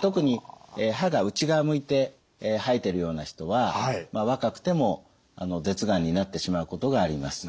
特に歯が内側向いて生えてるような人は若くても舌がんになってしまうことがあります。